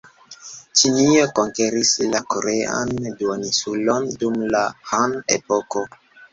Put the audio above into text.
Ĉinio konkeris la korean duoninsulon dum la Han-epoko.